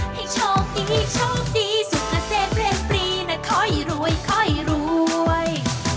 ให้โชคดีโชคดีสุขเซทเรียนปรีนะคอยรวยคอยรวย